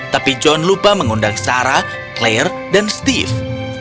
tapi john lupa mengundang sara claire dan steve